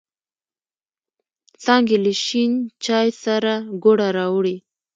څانگې له شین چای سره گوړه راوړې.